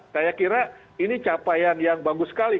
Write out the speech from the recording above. saya kira ini capaian yang bagus sekali